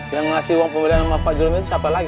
yang ngasih uang pembelian sama pak juremi siapa lagi